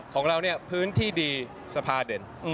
ของเราเนี่ยพื้นที่ดีสภาเด่น